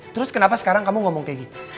terus kenapa sekarang kamu ngomong kayak gitu